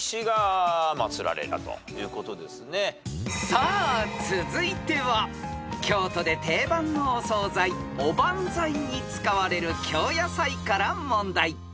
［さあ続いては京都で定番のお総菜おばんざいに使われる京野菜から問題］